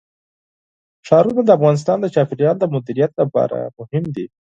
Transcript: ښارونه د افغانستان د چاپیریال د مدیریت لپاره مهم دي.